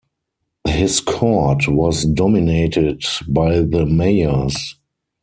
His court was dominated by the mayors.